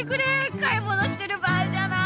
買い物してる場合じゃない！